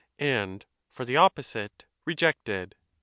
xvi for the opposite ' rejected."